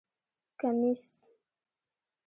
👗 کمېس